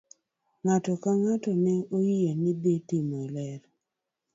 Ng'ato ka ng'ato ne oyie ni ne idhi tim ler.